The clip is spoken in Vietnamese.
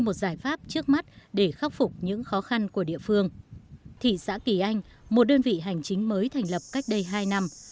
một đơn vị hành chính mới thành lập cách đây hai năm